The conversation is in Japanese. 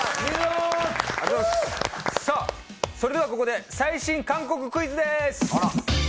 それではここで最新韓国クイズです。